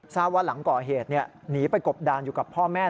ทราบว่าหลังก่อเหตุหนีไปกบดานอยู่กับพ่อแม่